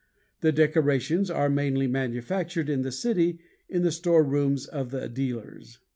The decorations are mainly manufactured in the city in the store rooms of the dealers.